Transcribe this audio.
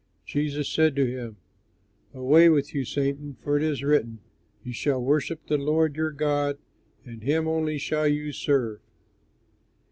Jesus said to him, "Away with you, Satan! for it is written, "'You shall worship the Lord your God, And him only shall you serve.'"